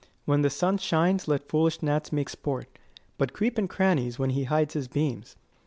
When the sun shines let foolish gnats make sport, 30 But creep in crannies when he hides his beams.